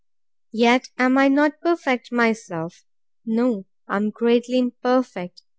Yet am I not perfect myself: No, I am greatly imperfect.